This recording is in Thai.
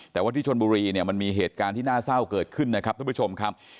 แต่ว่าที่ชนบุรีเนี่ยมันมีเหตุการณ์ที่น่าเศร้าเกิดขึ้นนะครับทุกผู้ชมครับ